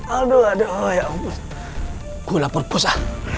aduh aduh ya ampun gue lapor posa